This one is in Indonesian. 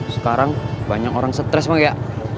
sekarang banyak orang stress banget ya